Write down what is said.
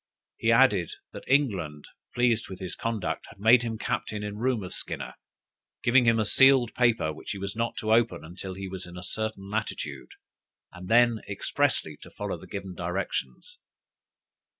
He added, that England, pleased with his conduct, had made him captain in room of Skinner, giving him a sealed paper, which he was not to open until he was in a certain latitude, and then expressly to follow the given directions.